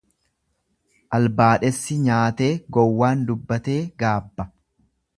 Albaadhessi nyaatee gowwaan dubbatee gaabba.